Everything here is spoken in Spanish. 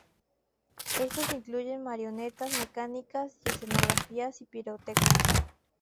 Estos incluyen marionetas mecánicas, escenografía y pirotecnia.